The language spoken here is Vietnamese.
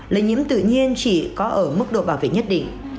lây nhiễm tự nhiên chỉ có ở mức độ bảo vệ nhất định